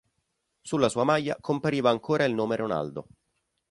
Sulla sua maglia compariva ancora il nome Ronaldo.